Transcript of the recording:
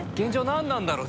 何なんだろう？